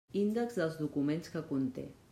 Índex dels documents que conté.